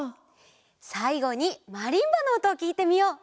さいごにマリンバのおとをきいてみよう！